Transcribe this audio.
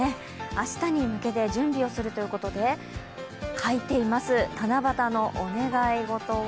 明日に向けて準備をするということで書いています、七夕のお願い事を。